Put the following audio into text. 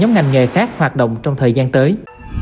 nhóm ngành nghề khác hoạt động trong thời gian tới